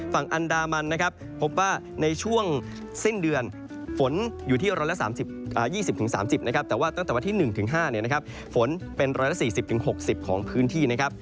ฝั่งอันดามันนะครับพบว่าในช่วงสิ้นเดือนฝนอยู่ที่๑๓๐นะครับแต่ว่าตั้งแต่วันที่๑ถึง๕ฝนเป็น๑๔๐๖๐ของพื้นที่นะครับ